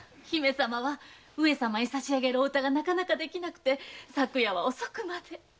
姫様は上様に差し上げるお歌がなかなかできなくて昨夜は遅くまで。